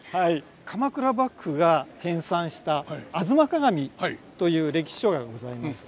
鎌倉幕府が編さんした「吾妻鏡」という歴史書がございます。